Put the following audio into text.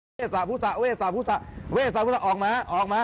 เวสาพุสะออกมา